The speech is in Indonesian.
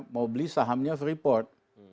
mau beli sahamnya freeport